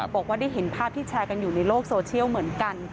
บอกว่าได้เห็นภาพที่แชร์กันอยู่ในโลกโซเชียลเหมือนกัน